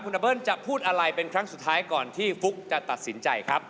อเบิ้ลจะพูดอะไรเป็นครั้งสุดท้ายก่อนที่ฟุ๊กจะตัดสินใจครับ